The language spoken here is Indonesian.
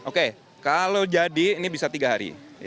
oke kalau jadi ini bisa tiga hari